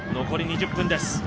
残り２０分です。